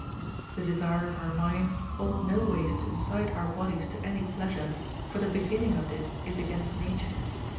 The desire of our mind ought no ways to incite our bodies to any pleasure, for the beginning of this is against nature.